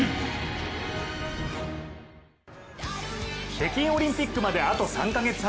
北京オリンピックまであと３カ月半。